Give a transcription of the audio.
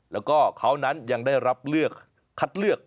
แล้วก็เขานั้นยังได้คัดเลือก